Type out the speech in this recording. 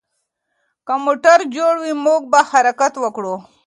که موټر جوړ وي، موږ به حرکت وکړو.